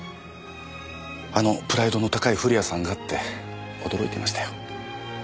あのプライドの高い古谷さんがって驚いてましたよ。